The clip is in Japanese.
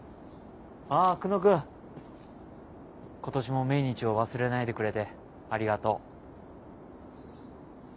今年も命日を忘れないでくれてありがとう。